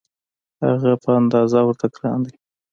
هغه په اندازه ورته ګران دی.